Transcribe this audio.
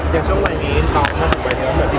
อย่างช่วงวันนี้ตอนถึงวันนี้